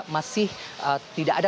masih tidak ada